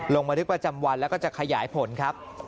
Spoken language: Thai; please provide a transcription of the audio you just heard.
ลงบันทึกประจำวันแล้วก็จะขยายผลครับ